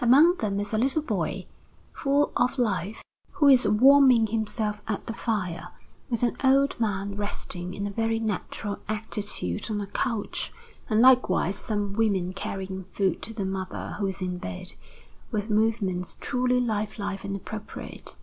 Among them is a little boy, full of life, who is warming himself at the fire, with an old man resting in a very natural attitude on a couch, and likewise some women carrying food to the mother who is in bed, with movements truly lifelike and appropriate.